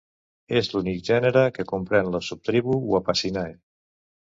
És l'únic gènere que comprèn la subtribu Uapacinae.